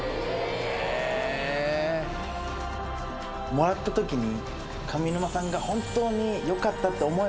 もらった時に。